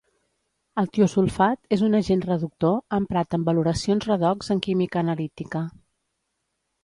El tiosulfat és un agent reductor, emprat en valoracions redox en química analítica.